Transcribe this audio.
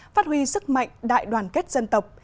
phát huy sức mạnh đại đoàn kết dân tộc